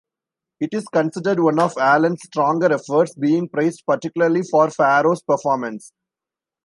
It is considered one of Allen's stronger efforts, being praised particularly for Farrow's performance.